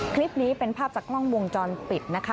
คลิปนี้เป็นภาพจากกล้องวงจรปิดนะคะ